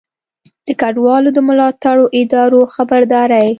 د کډوالو د ملاتړو ادارو خبرداری